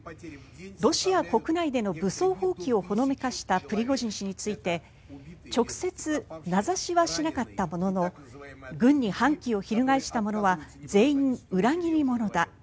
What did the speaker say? ロシア国内での武装蜂起をほのめかしたプリゴジン氏について直接名指しはしなかったものの軍に反旗を翻した者は全員裏切り者だ